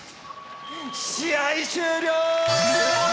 試合終了！